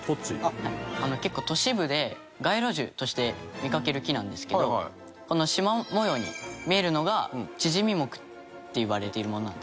結構都市部で街路樹として見かける木なんですけどこの縞模様に見えるのが縮杢っていわれているものなんです。